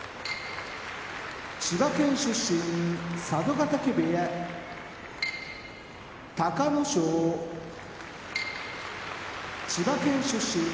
千葉県出身佐渡ヶ嶽部屋隆の勝千葉県出身